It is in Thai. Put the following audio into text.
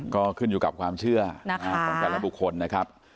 ก็ขึ้นอยู่กับความเชื่อของแต่ละบุคคลนะครับ